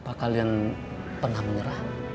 apa kalian pernah menyerah